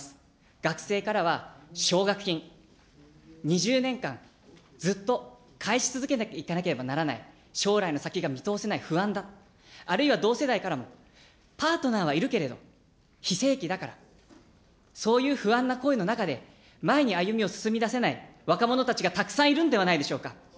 学生からは、奨学金、２０年間ずっと返し続けていかなければならない、将来の先が見通せない、不安だ、あるいは同世代からも、パートナーはいるけれど、非正規だから、そういう不安な声の中で、前に歩みを進め出せない若者たちがたくさんいるんではないでしょうか。